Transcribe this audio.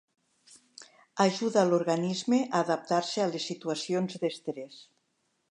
Ajuda l'organisme a adaptar-se a les situacions d'estrès.